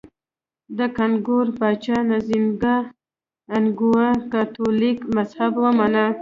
د کانګو پاچا نزینګا ا نکؤو کاتولیک مذهب ومانه.